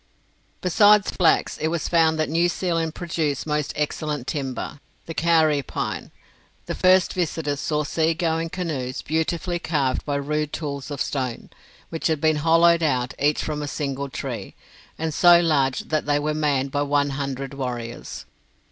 Besides flax, it was found that New Zealand produced most excellent timber the kauri pine. The first visitors saw sea going canoes beautifully carved by rude tools of stone, which had been hollowed out, each from a single tree, and so large that they were manned by one hundred warriors.